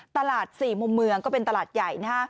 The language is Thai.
ตลาด๔มุมเมืองก็เป็นตลาดใหญ่